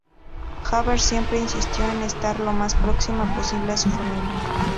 Haver siempre insistió en estar lo más próxima posible a su familia.